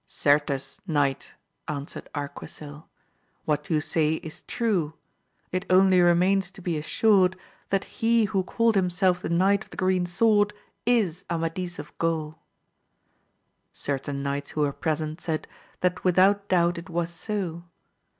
Certes, knight, answered Arquisil, what you say is true; it only remains to be assured, that he who called himself the Knight of the Green Sword is Amadis of Gaul. Certain knights who were present said, that without doubt it was so.